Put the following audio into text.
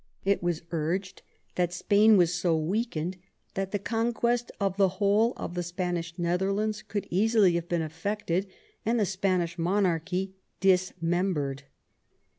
It was urged that Spain was so weakened that the conquest of the whole of the Spanish Netherlands could easily have been effected, and the Spanish monarchy dismembered.